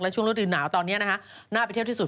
แล้วช่วงรถดื่มหนาวตอนนี้นะฮะน่าไปเที่ยวที่สุด